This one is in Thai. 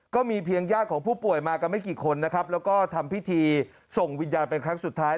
ก็มีเพียงญาติของผู้ป่วยมากันไม่กี่คนนะครับแล้วก็ทำพิธีส่งวิญญาณเป็นครั้งสุดท้าย